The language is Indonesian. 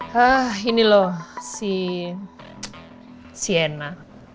hah ini loh si cna